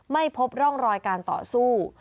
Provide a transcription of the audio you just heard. ไม่พบร่องรอยการต่อสู้